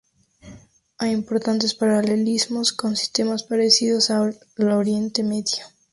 Hay importantes paralelismos con sistemas parecidos en Oriente Medio.